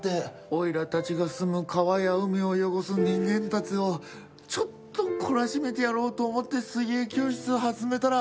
おいらたちが住む川や海を汚す人間たちをちょっと懲らしめてやろうと思って水泳教室を始めたら。